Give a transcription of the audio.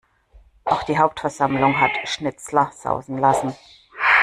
Auch die Hauptversammlung hat Schnitzler sausen lassen.